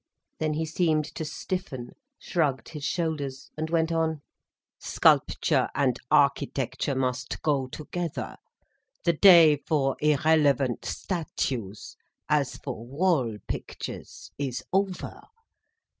Then he seemed to stiffen, shrugged his shoulders, and went on: "Sculpture and architecture must go together. The day for irrelevant statues, as for wall pictures, is over.